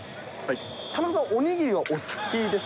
田中さん、おにぎり好きです。